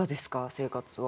生活は。